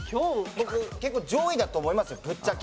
僕結構上位だと思いますよぶっちゃけ。